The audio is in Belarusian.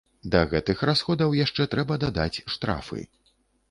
Да гэтых расходаў яшчэ трэба дадаць штрафы.